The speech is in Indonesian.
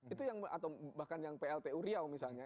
itu yang bahkan yang plt uriau misalnya